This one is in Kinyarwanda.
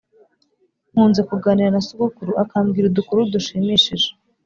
Nkunze kuganira na sogokuru akambwira udukuru dushimishije